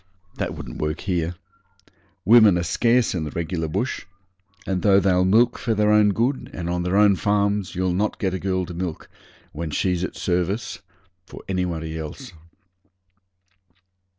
That wouldn't work here. Women are scarce in the regular bush, and though they'll milk for their own good and on their own farms, you'll not get a girl to milk, when she's at service, for anybody else.